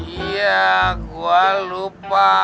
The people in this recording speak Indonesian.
iya gua lupa